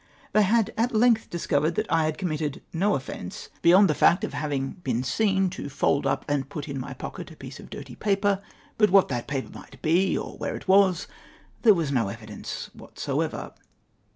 They had at length discovered that I had committed no offence beyond the fact of having been seen to fold up and put in my pocket a piece of dirty paper, but what that paper might be, or where it was, there Avas no evidence whatever.